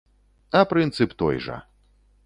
А прынцып той жа.